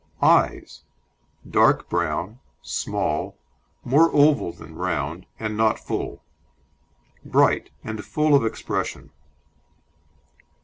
EYES Dark brown, small, more oval than round, and not full; bright, and full of expression.